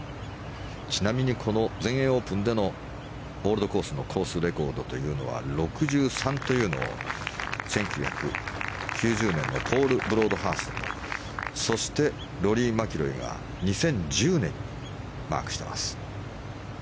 ちなみに全英オープンでのオールドコースのコースレコードというのは６３というのを１９９０年にそして、ローリー・マキロイが２０１０年にマークしています。